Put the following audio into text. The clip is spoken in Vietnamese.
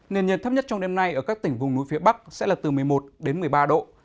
nền nhiệt thấp nhất trong đêm nay ở các tỉnh vùng núi phía bắc sẽ là từ một mươi một đến một mươi ba độ